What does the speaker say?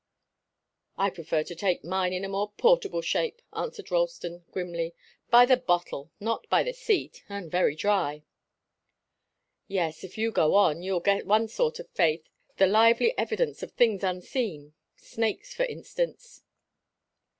"I prefer to take mine in a more portable shape," answered Ralston, grimly. "By the bottle not by the seat and very dry." "Yes if you go on, you'll get one sort of faith the lively evidence of things unseen snakes, for instance."